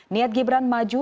niat gibran maju